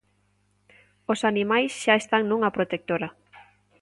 Os animais xa están nunha protectora.